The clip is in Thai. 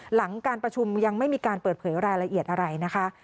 หลังการประชุมยังไม่มีการเปิดเผยรายละเอียดอะไรนะคะ